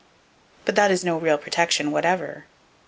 But that is no real protection whatever.